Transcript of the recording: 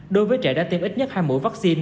đối với trẻ đã tiêm ít nhất hai mũi vaccine